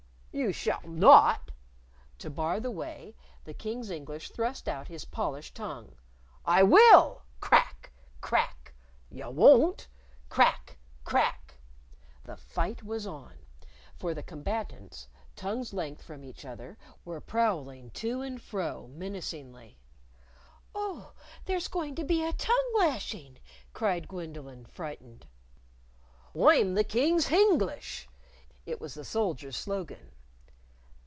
"You shall not!" To bar the way, the King's English thrust out his polished tongue. "I will!" Crack! Crack! "You won't!" Crack! Crack! The fight was on! For the combatants, tongue's length from each other, were prowling to and fro menacingly. "Oh, there's going to be a tongue lashing," cried Gwendolyn, frightened. "I'm the King's Hinglish!" it was the soldier's slogan.